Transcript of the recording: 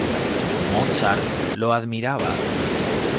Mozart lo admiraba.